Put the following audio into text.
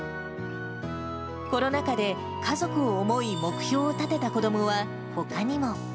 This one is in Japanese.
コロナ禍で家族を思い、目標を立てた子どもはほかにも。